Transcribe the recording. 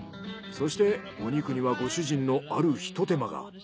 そしてお肉にはご主人のあるひと手間が。